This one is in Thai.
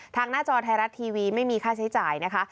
หน้าจอไทยรัฐทีวีไม่มีค่าใช้จ่ายนะคะ